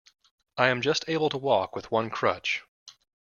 I am just able to walk with one crutch.